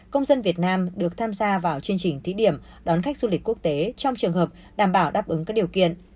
công dân việt nam được tham gia vào chương trình thí điểm đón khách du lịch quốc tế trong trường hợp đảm bảo đáp ứng các điều kiện